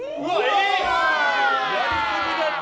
やりすぎだって！